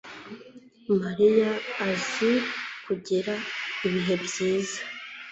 Mariya azi kugira ibihe byiza